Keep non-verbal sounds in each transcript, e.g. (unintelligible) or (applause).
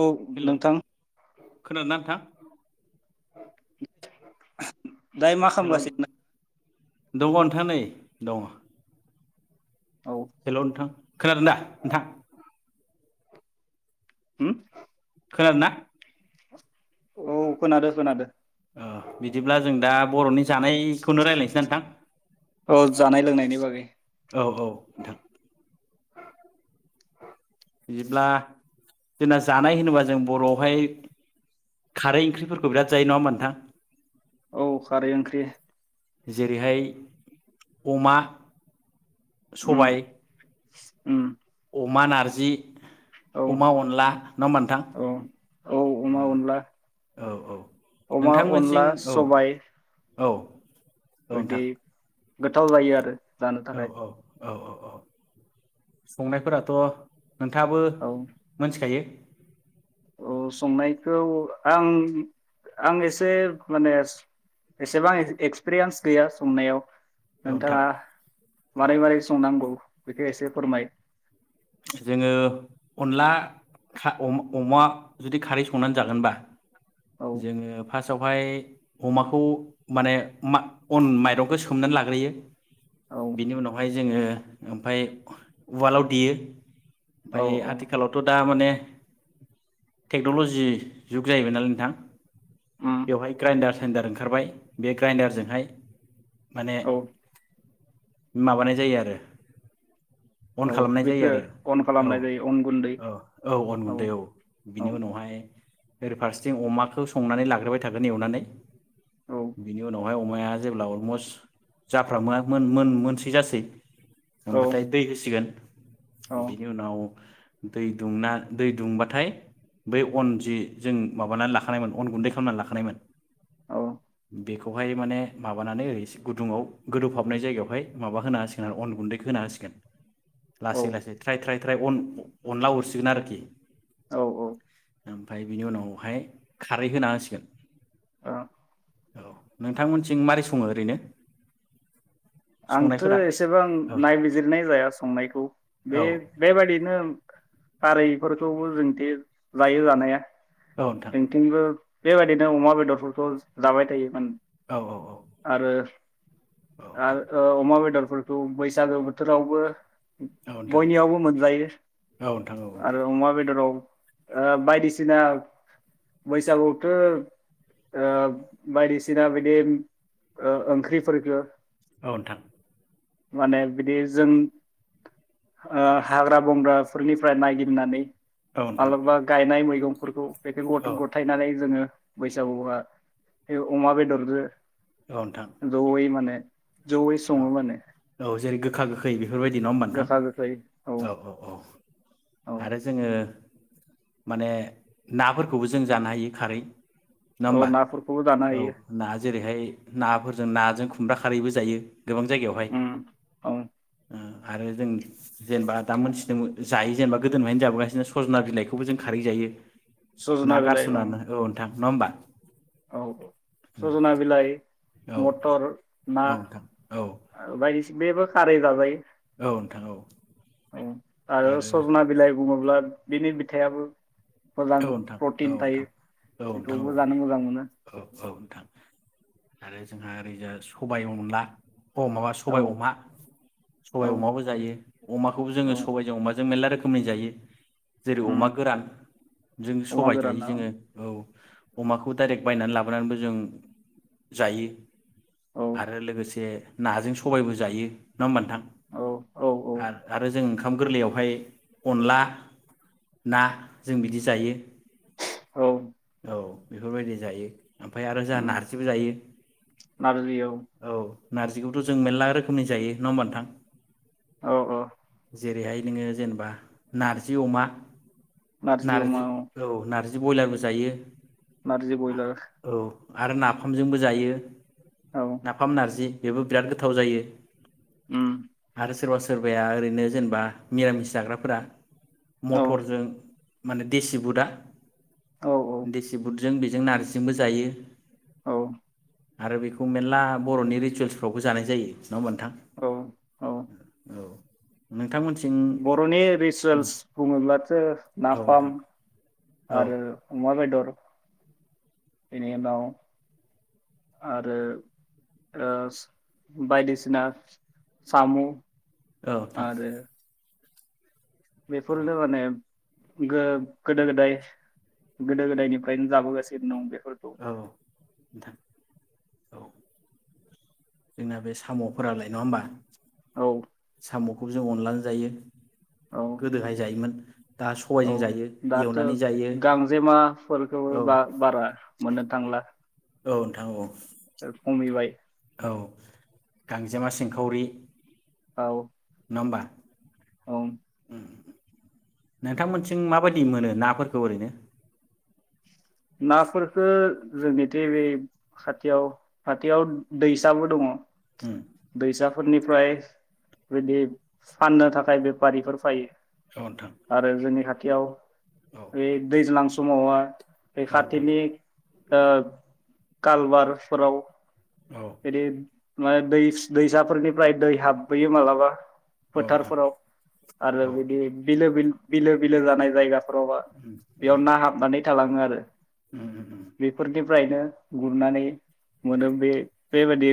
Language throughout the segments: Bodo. औ हेलौ नोंथां। खोनादोंना नोंन्थां दाय मा हेलौ खालामगासिनो दङ नोंथां नै दङ। औ हेलौ नोंथां। खोनादों दा नोंथां। उम। खोनादों ना? औ खोनादो खोनादो। ओ बिदिब्ला जों दा बर'नि जानाय खौनो रायलायनोसै ना नोंथां। औ जानाय लोंनायनि बागै। औ औ नोंथां। बिदिब्ला जोंना जानाय होनोबा जों बर'आवहाय खारै ओंख्रिफोरखौ बिराद जायो नङा होम्बा नोंथां। औ खारै ओंख्रि। जेरैहाय अमा उम सबाय अ उम अमा नारजि। औ अमा अनला नङा होम्बा नोंथां औ औ अमा अनला औ औ अमा अनला नोंथांमोनथिं औ सबाय। औ। औ बिदि नोंथां। गोथाव जायो आरो। जानो औ थाखाय औ औ औ संनायफोराथ' नोंथाङाबो औ मोनथिखायो। औ संनायखौ आं आं एसे मानेस एसेबां एक-एक्सपिरियेन्स गैया संनायाव। औ नोंथां नोंथाङा औ मारै मारै संनांगौ बेखौ एसे फोरमाय। जोङो अनला खा-अ-अमा जुदि खारै संनानै जागोनबा औ जोङो। फासवाहाय अमाखौ माने मा अन माइरंखौ सोमनानै लाग्रोयो। औ बिनि उनाव ओमफाय जोङो ओमफाय उवालाव देयो। ओमफाय औ औ आथिखालावथ दा माने टेक्नल'जि जुग जाहैबाय नालाय नोंथां उम बेवहाय ग्राइडार साइडार ओंखारबाय बे ग्राइडारजोंहाय माने। औ माबानाय जायो आरो‌। अन औ खालामनाय जायो बेखौ आरो। अन औ खालामनाय जायो अन गुन्दै औ औ अन गुन्दै औ औ बिनि उनावहाय। ओरै फारसेथिं अमाखौ संनानै लाग्रोबाय थागोन एवनानै। औ बिनि उनाव। माय अमाया जेब्ला अलमस्ट जाफ्र (unintelligible) मो‌ मो मो मोनसै जासै। औ होमबाथाय दै होसिगोन। औ बिनि नाव। दै दुंना दै दुंबाथाय बै अन जि जों माबानानै लाखानायमोन अन गुन्दै खालामनानै लाखानायमोन। औ। बेखौहाय माने माबानानै ओरैसे गुदुंङआव गोदौफाबनाय जायगायावहाय माबा होना होसिगोन आरो अन गुन्दैखौ होना होसिगोन। औ लासै लासै। फ्राय थ्राय थ्राय अन-अनला हरसिगोन आरोखि। औ औ। ओमफ्राय बिनि उनावहाय खारै होना होसिगोन। आ। औ नोंथां मोनथिं मोरै सङो ओरैनो? आंथ संनायफोरा एसेबां औ नायबिजिरनाय जाया संनायखौ। औ बे-बेबादिनो‌ खारैफोरखौबो जोंथि जायो जानाया। औ नोंथां जोंथिबो बेबायदिनो अमा बेदरफोरखो जाबाय थायोमोन। औ औ औ औ। आ ओ अमा बेदर फोरखौ बैसागो बोथोरावबो नोंथां औ नोंथां बयनियावबो मोनजायो। औ नोंथां औ आरो अमा बेदराव ओ बायदिसिना बैसागुआवथ' ओ बायदिसिना बिदि ओ ओंख्रिफोरखो औ नोंथां। माने बिदि जों ओ हाग्रा बंग्राफोरनिफ्राय नायगिदनानै औ नोंथां मालाबा गायनाय मै गंफोरखौ (unintelligible) गद औ गथायनानै जोङो बैसागुआ बे अमा बेदरजो औ नोंथां जौयै माने जयै सङो माने औ जेरै गोखा गोखै बेफोरबायदि नङा होनबा नोंथां? गोखा गोखै औ औ आरो जोङो माने नाफोरखौबो जों जानो हायो खारै औ नामबा नाफोरखौबो जानो हायो ना जेरैहाय नाफोरजों नाजों खुमब्रा खारैबो जायो। गोबां जायगायावहाय उम औ आरो जों जेनेबा दा मोनथिदोन जायो जेनेबा गोदोनिफ्रायनो जाबोगासिनो सजना बिलाइखौबो जों खारै जायो। सजना ना बिलाइ गारसनानो औ नोंन्थां नङा होमबा औ सजना बिलाइ औ मटर ना औ नोंथां औ बायदिस बेब खारै जाजायो। नोंथां औ उम आरो सजना बिलाइ बुङोब्ला बिनि बिथाइयाबो औ मोजां नोंथां औ प्रटिन थायो नोंथां औ नोंथां औ बेखौबो जानो मोजां मोनो। औ औ नोंथां आरो जोंहा ओरैजा सबाइ अनला अ माबा औ सबाइ अमा औ सबाइ अमाबो जायो अमाखौबो जोङो औ सबाइजों अमाजों मेरला रोखोम खोमै जायो जेरै उम अमा गोरान जों अमा सबाइ जायो गोरान औ जोङो औ अमाखौ दाइरेक्ट बायनानै लाबोनानैबो जों जायो औ आरो लोगोसे नाजों सबाइबो जायो। नङा होनबा नोंथां औ औ औ आर आरो जों ओंखा खाम गोरलैयावहाय अनला ना जों बिदि जायो। (unintelligible) औ औ बेफोरबायदि जायो ओमफाय आरो जा उम नारजिबो जायो औ नारजिखौबोथ' जों मेरला रोखोमनि जायो नङा होमबा नोंथां? औ औ जेरैहाय नोङो जेनेबा नारजि अमा नारजि औ नारजि जो बयलारसो। जायो। नारजि बयलार औ आरो नाफामजोंबो जायो। औ नाफाम, नारजि। बेबो बिराद गोथाव जायो। उम आरो सोरबा सोरबाया ओरैनो जेनेबा मिरामिस जाग्राफोरा औ मटरजों माने देसि बुटा औ औ देसि बुट जों बेजों नारजिजोंबो जायो। औ आरो बेखौ मेरला बरनि रिसुवेल्सफ्रावबो जानाय जायो नङा होमबा नोंथां? औ औ औ नोंथांमोन बर'नि रिसुवेल्स बुङोब्लाथ औ नाफाम नोंथां औ नोंथां औ आरो अमा बेदर बेनि उनाव आरो ओ बायदिसिना सामु औ नोंथां बेफोरनो नेम गो-गोदो-गोदाय गोदो-गोदायनिफ्रायनो जाबोगासिनो दं बे औ नोंथां औ जोंना बे सामफोरालाय नङा होमबा? औ खौ जोङो अनलाजों जायो। औ गोदोहाय जायोमोन। दा औ सबायजों जायो दाथ एवनानै जायो गांजेमाफोरखौबो औ बा-बारा मोननो थांला। औ नोंथां औ। खमिबाय। औ गांजेमा, सिंखावरि। औ। नमबा। औ। नोंथांमोनथिं माबायदि मोनो नाफोरखौ ओरैनो नाफोरखो जोंनिथि बे खाथियाव खाथियाव दैसाबो दङ। उम दैसा फोरनिफ्राय बिदि फाननो थाखाय बेफारिफोर फायो। औ नोंथां आरो जोंनि खा याव औ बे दैज्लां‌ स समावा औ नोंथां बेखाथिनि ओ कालबारफोराव औ बिदि माय दैस-दैसाफोरनिफ्राय दै हाबबोयो मालाबा औ नोंथां फोथारफोराव आरो औ बिदि बिलो बिल बिलो बिलो जानाय जायगा रवा उम उम बेयाव ना हाबनानै थालाङो आ उम उम बेफोरनिफ्रायनो गुरनानै मोनो बे-बेबायदि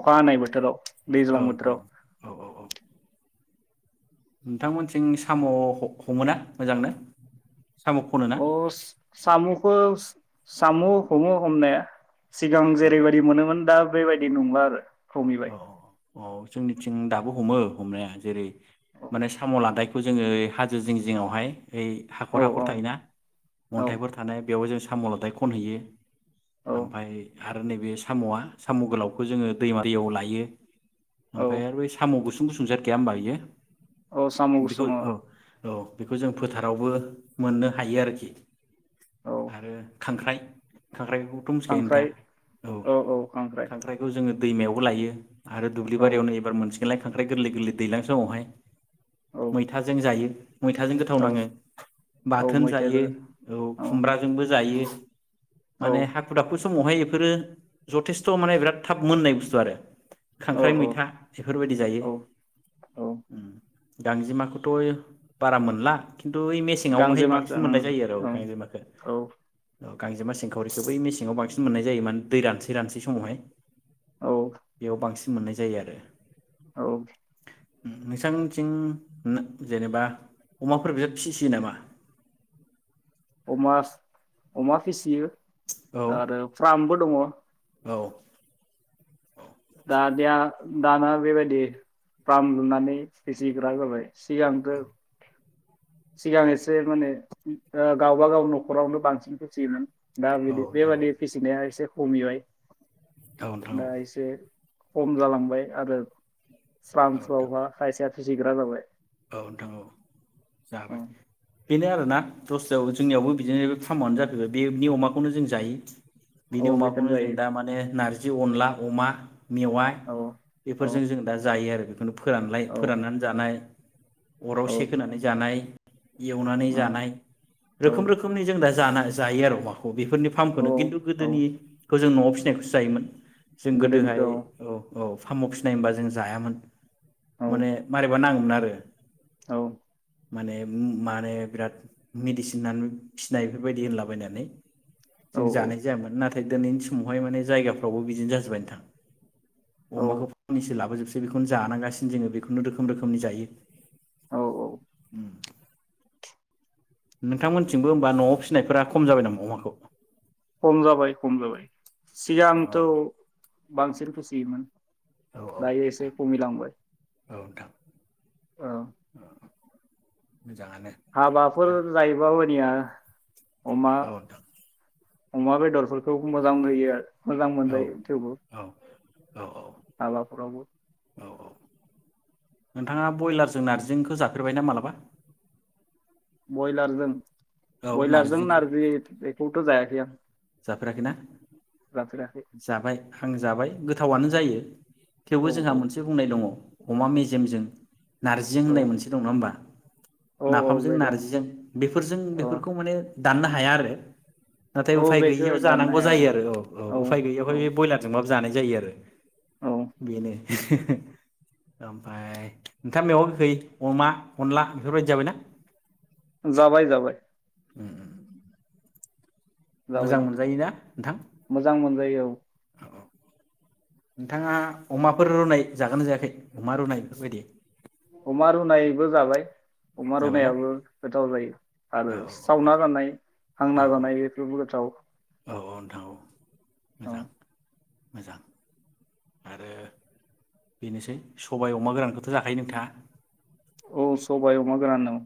अखा हानाय बोथोराव। औ दैज्लां नोंथां बोथोराव औ औ औ नोंथांमोनथिं साम' ह-हमो ना मोजांनो? साम' खनो ना? सामुखो सामु हमो हमनाया सिगां औ जेरैबादि मोनोमोन दा बेबायदि नंला आरो खमिबाय। अ जोंनिथिं दाबो हमो हमनाया जेरै माने साम' लादाय खौ जोङो हाजो जिं जिङआवहाय ओइ औ हाखर हाखर थायोना औ अन्थाइफोर थानाय बेयावबो जों साम'लादाय खनहैयो। औ ओमफाय आरो नैबे साम'आ साम गोलावखौ जोङो दैमा दैयाव लायो औ ओमफाय आरो बै साम गोस गुसुंजाद गैया होनबा यो? औ साम' बेखौ गुसुं औ औ बेखौ जों फोथारावबो मोननो हायो आरोखि औ आरो खांख्राइ खांख्राइखौथ मिथिखायो नोंथाङा? खांख्राइ औ खांख्राइखौ जोङो दैमायावबो लायो आरो दुब्लि औ बारियावनो एबार मोनसे दालाय खांख्राइ गोरलै गोरलै दैलां सोमावहाय औ मैथाजों जायो। मैथाजों गोथाव औ नाङो औ बाथोन जायो मैथाबो औ खुमब्राजोंबो जायो। (unintelligible) औ माने हाखु दाखु समावहाय बेफोरो जथेस्थ माने बिराद थाब मोननाइ बुस्थु आरो औ खांख्राइ मैथा बेफोरबायदि जायो। औ औ गांजेमाखौथ बारा मोनला खिन्थु ओइ मेसेङावहाय गांजेमाखो बांसिन मोननाय जायो आरो ओं गांजेमाखौ ओं औ गांजेमा सिंखावरिखौ बै मेसेङाव बांसिन मोननाय जायो मान दै रानसै रानसै समावहाय औ बेयाव बांसिन मोननाय जायो आरो औ नोंसांथिं जेनेबा अमाफोर बिराद फिसियो नामा? अमा अमा फिसियो औ आरो फार्मबो दङ। औ दा दिया दाना बेबायदि फार्म लुनानै फिसिग्रा जाबाय। सिगांबो सिगां एसे माने ओ गावबागाव न'खरावनो बांसिन फिसियोमोन। दा औ बिदि नोंथां औ बेबाददि फिसिनाया एसे खमिबाय औ नोंथां दा औ इसे खम जालांबाय आरो फार्मफोरावहा खायसे फिसिग्रा जाबाय औ नोंथां औ औ जाबाय बेनो आरोना दस्रायाव जोंनियावबो बिदिनो फार्मआनो जाफैबाय बे बे अमाखौनो जों जायो। बिनि औ बेखौनो अमाखौनो जों जायो दा माने नारजि अनला अमा मेवाइ औ औ बेफोरजों जों दा जायो आरो फोरानलाय औ फोराननानै जानाय। अराव औ सेख होनानै जानाय। एवनानै उम जानाय औ रोखोम रोखोमनि जों दा जा जायो आरो अमाखौ। बेफोरनि औ फामखौनो किन्तु औ गोदनिखौ जों न'आव फिसिनायखौसो जायोमोन। जों गोदोहाय गोदोनिखौ औ औ फामु फिसिनाय होम्बा जों जायामोन। औ माने मारेबा नाङो। आरो औ। माने म माने बिराद मेडिसिन होननानै फिसिनाय बेफोरबायदि होनलाबायनानै जों औ जानाय जायामोन नाथाय नाथाय दिनैनि समावहाय माने जायगाफ्रावबो बिदिनो जाजोब्बाय नोंथां। औ अमाखौ फ्रामनिसो लाबोजोबसै। बेखौनो जानांगासिनो जोङो बेखौनो रोखोम रोखोमनि जायो। औ औ नोंथांमोनथिंबो ओम्बा न'आव फिसिनायफोरा खम जाबाय नामा अमाखौ। खम जाबाय खम जाबाय। अ सिगांथ' बांसिन खुसियोमोन। औ दायो नोंथां एसे खमिलांबाय औ नोंथां औ। मोजाङानो हाबाफोर जायोबाबो निया औ नोंथां। अमा बेदरफोरखौ मोजां होयो आरो। मोजां औ मोनजायो थेवबो औ हाबाफोरावबो औ नोंथाङा बयलारजों नार्जिंजोंखो जाफेरबायना मालाबा? बयलारजों औ बयलारजों नारजिजोंखौ नारजि बेखौ जायाखै आं। जाफेराखैना जाफेराखै जाबाय आं जाबाय गोथावानो जायो। थेवबो औ जोंहा औ मोनसे बुंनाय दङ। अमा मेजेमजों। नार्जिजों औ होननाय मोनसे दं नङा होमबा औ औ नाफामजों बे दं नारजिजों बेफोरजों अ बेफोरखौ माने दाननो हाया आरो औ उफाय बेखौ गैयियाव दाननो जानांगौ हाया जायो ओं आरो औ औ उफाय गैयियावहाय औ बे ब्रयलारजों माब जानाय जायो आरो औ बेनो ओमफाय नोंथाङा मेवागोखै अमा अनला बेफोरबायदि जाबायना? जाबाय जाबाय। उम उम। जाबाय मोजां दिथां मोनजायोना नोंथां मोजां मोनजायो औ। औ औ नोंथाङा अमाफोर रुनाय जागोना जायाखै अमा रुनाय बेफोरबायदि? अमा रुनायबो जाबाय। अमा जाबायना रुनायाबो गोथाव जायो आरो औ सावना जानाय औ हांना औ जानाय बेफोरबो गोथाव। औ औ नोंथां औ ओ मोजां मोजां आरो बेनोसै सबाय अमा गोरानखौथ' जाखायो नोंथाङा? औ सबाय अमा गोरान ओं।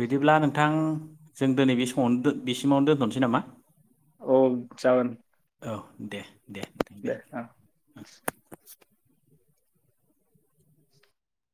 बिदिब्ला नोंथां जों दिनै बे समावनो दो बेसिमावनो दोनथनोसै नामा? औ जागोन। औ दे। दे नोंथां दे ओ।